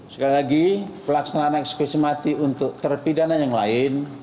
sekali lagi pelaksanaan eksekusi mati untuk terpidana yang lain